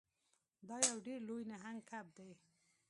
دا یو ډیر لوی نهنګ کب دی.